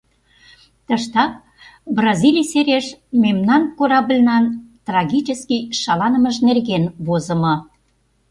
Тыштак Бразилий сереш мемнан корабльнан трагически шаланымыж нерген возымо.